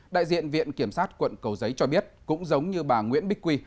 đại diện viện kiểm sát quận cầu giấy cho biết cũng giống như bà nguyễn bích quy